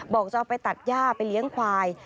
บอกจะเอาไปตัดย่าไปเลี้ยงควาย